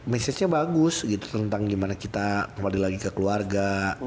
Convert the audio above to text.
message nya bagus gitu tentang gimana kita kembali lagi ke keluarga